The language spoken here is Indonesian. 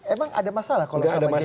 emang ada masalah kalau sama jk